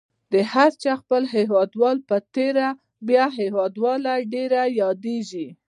د هر چا خپل هیوادوال په تېره بیا هیوادواله ډېره یادیږي.